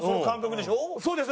そうです。